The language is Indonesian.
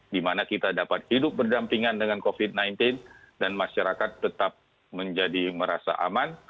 di mana kita dapat hidup berdampingan dengan covid sembilan belas dan masyarakat tetap menjadi merasa aman